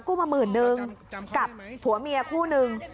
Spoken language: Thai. มาหมื่นนึงกับผัวเมียคู่นึง